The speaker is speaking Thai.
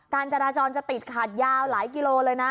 การจราจรจะติดขัดยาวหลายกิโลเลยนะ